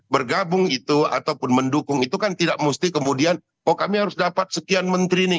bergabung itu ataupun mendukung itu kan tidak mesti kemudian oh kami harus dapat sekian menteri ini